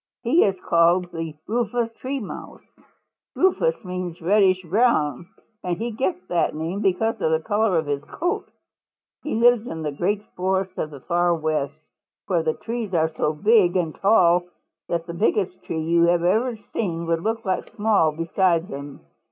He is called the Rufous Tree Mouse. Rufous means reddish brown, and he gets that name because of the color of his coat. He lives in the great forests of the Far West, where the trees are so big and tall that the biggest tree you have ever seen would look small beside them.